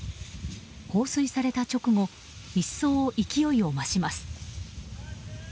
放水された直後一層勢いを増します。